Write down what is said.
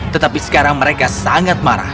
tetapi sekarang mereka sangat marah